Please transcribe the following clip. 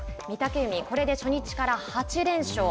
御嶽海、これで初日から８連勝。